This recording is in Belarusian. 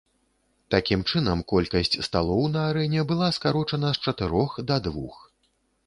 Такім чынам, колькасць сталоў на арэне была скарочана з чатырох да двух.